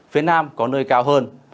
phía nam có nơi cao hơn